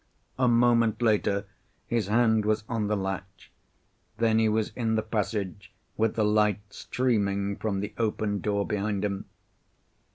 A moment later his hand was on the latch. Then he was in the passage, with the light streaming from the open door behind him.